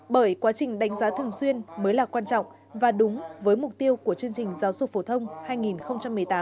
bởi quá trình đánh giá thường xuyên mới là quan trọng và đúng với mục tiêu của chương trình giáo dục phổ thông hai nghìn một mươi tám